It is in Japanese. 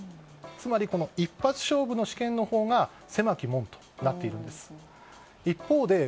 つまり、一発勝負の試験のほうが狭き門になっているんです。